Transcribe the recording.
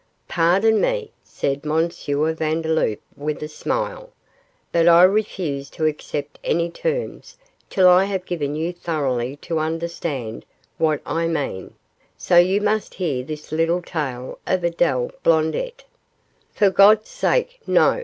'Pardon me,' said M. Vandeloup, with a smile, 'but I refuse to accept any terms till I have given you thoroughly to understand what I mean; so you must hear this little tale of Adele Blondet.' 'For God's sake, no!